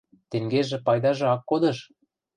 Тенгежӹ пайдажы ак кодыш!..